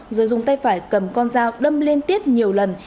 rồi dùng tay phải cầm con dao đâm liên tiếp nhiều lần